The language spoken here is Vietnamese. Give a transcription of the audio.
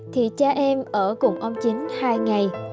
thì cha em ở cùng ông chính hai ngày